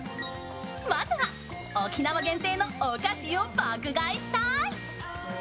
まずは、沖縄限定のお菓子を爆買いしたーい。